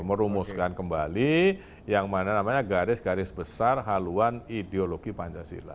merumuskan kembali yang mana namanya garis garis besar haluan ideologi pancasila